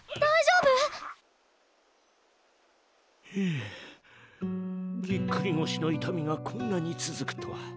ううぎっくり腰の痛みがこんなに続くとは。